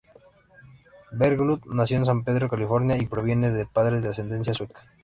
Berglund nació en San Pedro, California y proviene de padres de ascendencia sueca.